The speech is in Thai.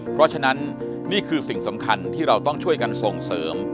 เพราะฉะนั้นนี่คือสิ่งสำคัญที่เราต้องช่วยกันส่งเสริม